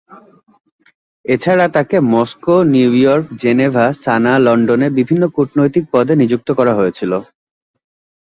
এছাড়া, তাকে Moscow, New York, Geneva, Sanaa, লন্ডনে বিভিন্ন কূটনীতিক পদে নিযুক্ত করা হয়েছিল।